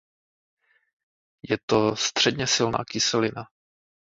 Je to středně silná kyselina.